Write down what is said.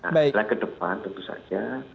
nah ke depan tentu saja